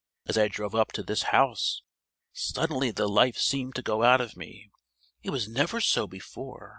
As I drove up to this house, suddenly the life seemed to go out of me. It was never so before.